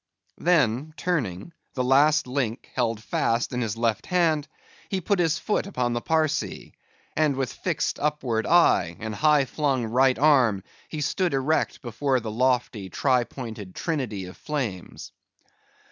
Then turning—the last link held fast in his left hand, he put his foot upon the Parsee; and with fixed upward eye, and high flung right arm, he stood erect before the lofty tri pointed trinity of flames.